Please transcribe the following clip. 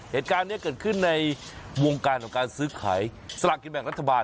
เหตุการณ์นี้เกิดขึ้นในวงการของการซื้อขายสลากกินแบ่งรัฐบาล